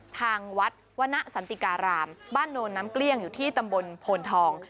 ทางวัดวณสันติการามบ้านโนนน้ำเกลี้ยงอยู่ที่ตำบลโพนทอง